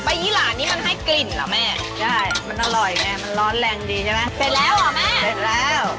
ปลาไหล่ผัดฉาเท่าไหร่แม่